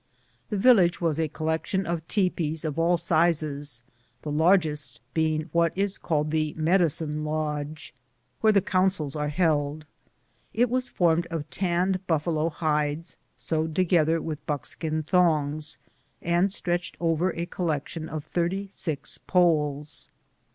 The village was a collection of tepees of all sizes, the largest being what is called the Medicine Lodge, where the councils are held. It was formed of tanned buf falo hides, sewed together with buckskin thongs, and 3 60 BOOTS AND SADDLES. stretched over a collection of thirty six poles.